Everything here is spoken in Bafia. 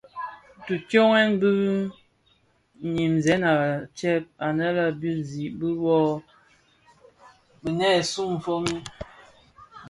Di tsyoghèn bi nynzèn a tsèb anë a binzi bo dhi binèsun fomin.